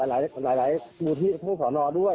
หลายมูลที่ทั้งสนด้วย